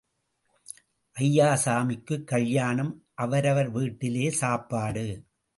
ஐயாசாமிக்குக் கல்யாணம் அவரவர் வீட்டிலே சாப்பாடு.